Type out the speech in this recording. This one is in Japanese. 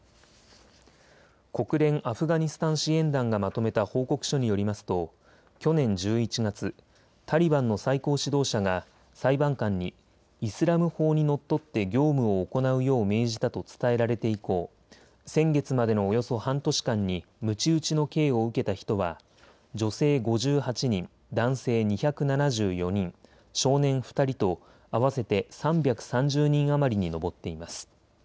国連アフガニスタン支援団がまとめた報告書によりますと去年１１月、タリバンの最高指導者が裁判官にイスラム法にのっとって業務を行うよう命じたと伝えられて以降、先月までのおよそ半年間にむち打ちの刑を受けた人は女性５８人、男性２７４人、少年２人と合わせて３３０人余りに上っています。